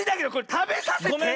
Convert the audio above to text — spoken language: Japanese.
たべさせて。